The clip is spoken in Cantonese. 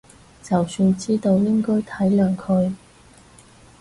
就算知道應該體諒佢